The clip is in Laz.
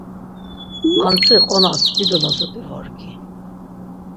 Antzi qonas dido lazut̆i vorgi.